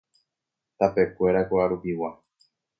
Tapekuéra ko'arupigua.